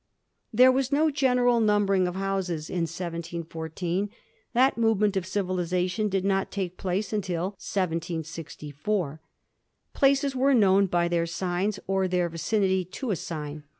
There was no general numbering of houses in 1714; that movement of civilisation did not take place until 1764. Places were known by their signs or their vicinity to a sign.